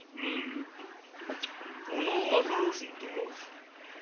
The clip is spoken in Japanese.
小野正之進と申す。